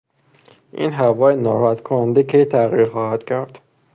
این هوای ناراحت کننده کی تغییر خواهد کرد؟